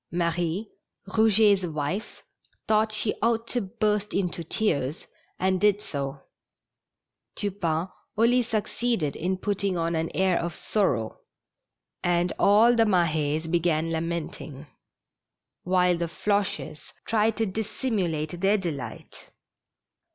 Marie, Eouget's wife, thought she ought to burst into tears, and did so; Tupain only succeeded in putting on an air of sorrow, and all the Mahes began lamenting ; THE STRANGE CATCH. 211 while the Floches tried to dissimulate their delight.